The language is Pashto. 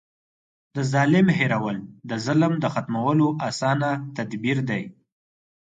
د ظالم هېرول د ظلم د ختمولو اسانه تدبير دی.